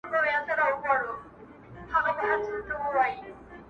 یو مُلا وو یوه ورځ سیند ته لوېدلی.!